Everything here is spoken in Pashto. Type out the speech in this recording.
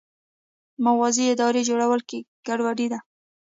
موازي ادارې جوړول ګډوډي ده.